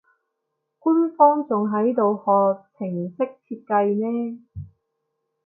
官方仲喺度學程式設計呢